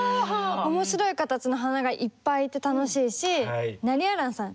面白い形の花がいっぱいいて楽しいしナリヤランさん